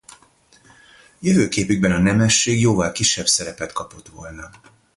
Jövőképükben a nemesség jóval kisebb szerepet kapott volna.